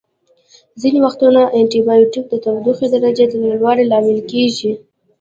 ځینې وختونه انټي بیوټیک د تودوخې درجې د لوړوالي لامل کیږي.